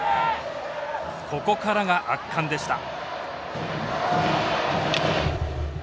ここからが圧巻でした。